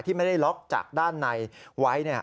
ไม่ได้ล็อกจากด้านในไว้